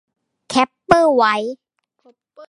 คอปเปอร์ ไวร์ด